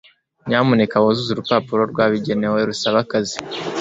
nyamuneka wuzuze urupapuro rwabigenewe rusaba akazi